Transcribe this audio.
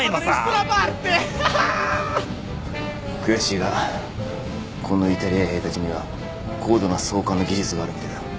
悔しいがこのイタリア兵たちには高度な操艦の技術があるみたいだ。